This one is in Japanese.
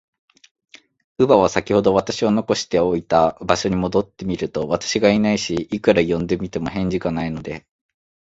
乳母は、さきほど私を残しておいた場所に戻ってみると、私がいないし、いくら呼んでみても、返事がないので、